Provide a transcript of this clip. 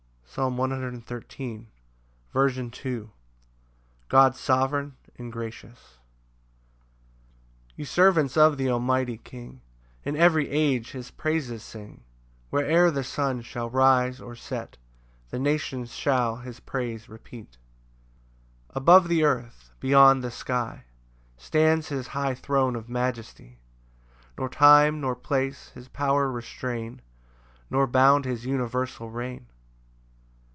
Psalm 113:2. L. M. God sovereign and gracious. 1 Ye servants of th' Almighty King, In every age his praises sing; Where'er the sun shall rise or set, The nations shall his praise repeat. 2 Above the earth, beyond the sky, Stands his high throne of majesty: Nor time, nor place, his power restrain, Nor bound his universal reign.